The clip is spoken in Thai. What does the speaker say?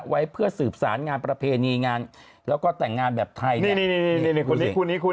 ไว้เพื่อสืบสารงานประเพณีงานแล้วก็แต่งงานแบบไทยเนี่ย